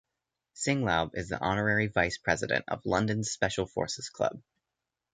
Singlaub is the honorary vice president of London's Special Forces Club.